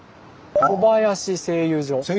「小林製油所」。